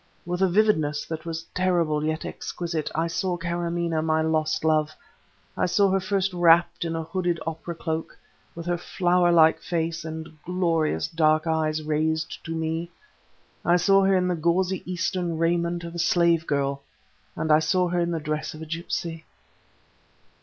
With a vividness that was terrible yet exquisite, I saw Kâramaneh, my lost love; I saw her first wrapped in a hooded opera cloak, with her flower like face and glorious dark eyes raised to me; I saw her in the gauzy Eastern raiment of a slave girl, and I saw her in the dress of a gipsy.